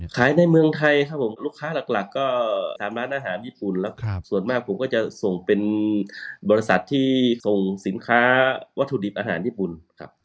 ในเมืองไทยครับผมลูกค้าหลักก็ตามร้านอาหารญี่ปุ่นแล้วส่วนมากผมก็จะส่งเป็นบริษัทที่ส่งสินค้าวัตถุดิบอาหารญี่ปุ่นครับ